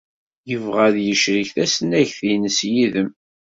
Yebɣa ad yecrek tasnagt-nnes yid-m.